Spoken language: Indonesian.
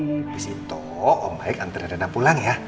habis itu om baik antara rena pulang ya